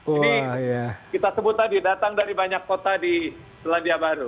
ini kita sebut tadi datang dari banyak kota di selandia baru